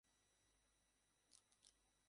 তার চোখ বড়-বড় হয়ে উঠছে।